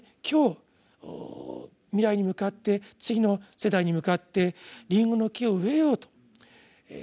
今日未来に向かって次の世代に向かってリンゴの木を植えようと。